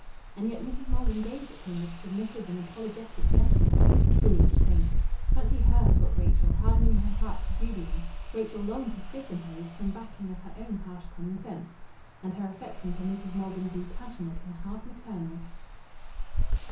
And yet Mrs. Maldon gazed at him with submissive and apologetic gentleness! Foolish saint! Fancy her (thought Rachel) hardening her heart to Julian! Rachel longed to stiffen her with some backing of her own harsh common sense. And her affection for Mrs. Maldon grew passionate and half maternal.